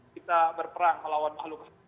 kita berperang melawan makhluk